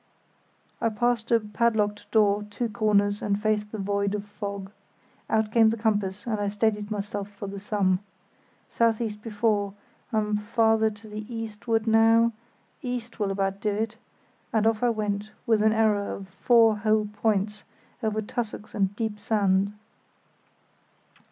I passed a padlocked door, two corners, and faced the void of fog. Out came the compass, and I steadied myself for the sum. "South east before—I'm farther to the eastward now—east will about do"; and off I went, with an error of four whole points, over tussocks and deep sand.